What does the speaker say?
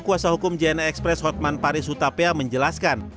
kuasa hukum jna express hotman paris hutapea menjelaskan